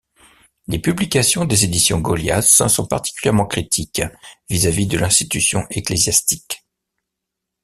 Les publications des éditions Golias sont particulièrement critiques vis-à-vis de l'institution ecclésiastique.